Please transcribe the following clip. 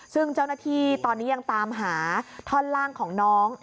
ซึ่งเจ้าหน้าที่ตอนนี้ยังตามหาท่อนล่างของน้อง